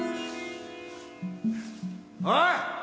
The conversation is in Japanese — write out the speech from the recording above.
おい！